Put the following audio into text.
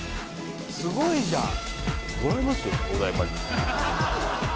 すごいじゃん！